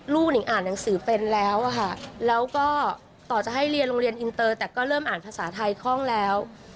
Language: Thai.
นิงอ่านหนังสือเป็นแล้วอะค่ะแล้วก็ต่อจะให้เรียนโรงเรียนอินเตอร์แต่ก็เริ่มอ่านภาษาไทยคล่องแล้ว